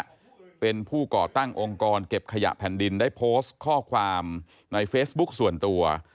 และเป็นผู้ก่อตั้งองค์กรเก็บขยะแผ่นดินได้โพสต์ข้อความในเฟซบุ๊คส่วนตัว